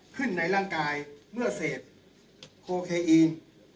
ในร่างกายเมื่อเสพโคเคอีน